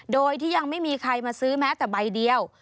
โดยที่ยังไม่มีใครมาซื้อแม้แต่ใบเดียว